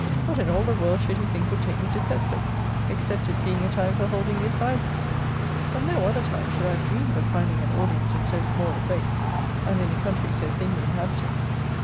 what in all the world should he think would take me to Thetford, except it being a time for holding the assizes? At no other time should I have dreamed of finding an audience in so small a place, and in a country so thinly inhabited.